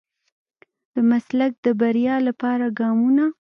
د مسلک د بريا لپاره ګامونه.